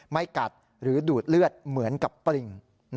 ไม่กัดหรือดูดเลือดเหมือนกับปริง